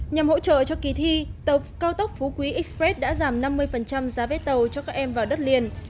nhằm hỗ trợ cho kỳ thi tàu cao tốc phú quý express đã giảm năm mươi giá vết tàu cho các em vào đất liền